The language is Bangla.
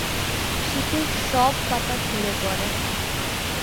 শীতে সব পাতা ঝরে পড়ে।